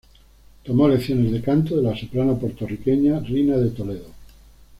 Tomó lecciones de canto de la soprano puertorriqueña Rina de Toledo.